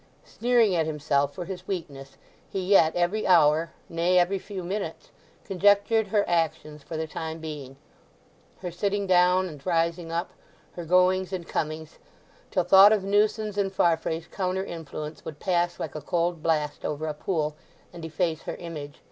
Sneering at himself for his weakness he yet every hour—nay, every few minutes—conjectured her actions for the time being—her sitting down and rising up, her goings and comings, till thought of Newson's and Farfrae's counter influence would pass like a cold blast over a pool, and efface her image.